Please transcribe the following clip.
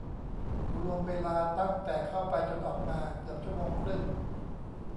รวมเวลาตั้งแต่เข้าไปจนออกมาเกือบชั่วโมงครึ่ง